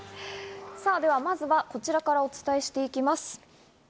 では、まずはこちらからお伝えしていきます。